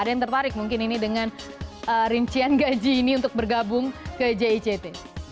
ada yang tertarik mungkin ini dengan rincian gaji ini untuk bergabung ke jict